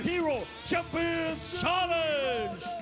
ประโยชน์ทอตอร์จานแสนชัยกับยานิลลาลีนี่ครับ